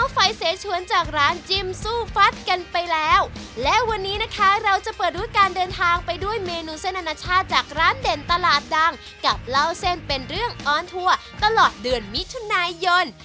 ฟึ้นไปแล้วและวันนี้นะคะเราจะเปิดรวดกันเดินทางไปด้วยเมนูเส้นอาณาชาติจากร้านเด่นตลาดรังกับเหล้าเส้นเป็นเรื่องออนทัวร์ตลอดเดือนวิทยุนายน